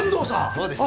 そうです